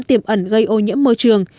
tiềm ẩn gây ô nhiễm môi trường